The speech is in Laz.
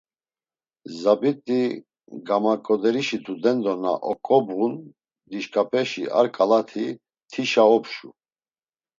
Zabit̆i, gamaǩoderişi tudendo na oǩvobğun dişǩapeşi ar ǩalati tişa opşu.